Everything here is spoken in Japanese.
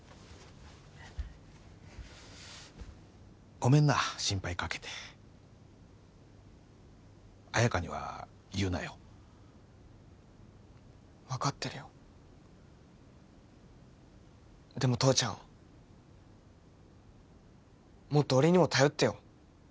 ごめんな心配かけて綾華には言うなよ分かってるよでも父ちゃんもっと俺にも頼ってよ